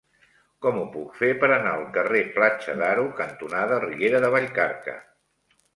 Com ho puc fer per anar al carrer Platja d'Aro cantonada Riera de Vallcarca?